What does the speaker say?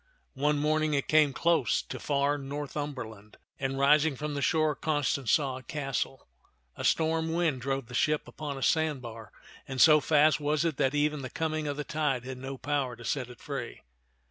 One morn ing it came close to far Northumberland, and rising from the shore Constance saw a castle. A storm wind drove the ship upon a sandbar, and so fast was it that even the coming of the tide had no power to set it free.